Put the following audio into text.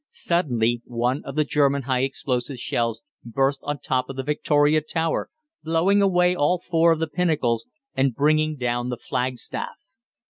Suddenly one of the German high explosive shells burst on the top of the Victoria Tower, blowing away all four of the pinnacles, and bringing down the flagstaff.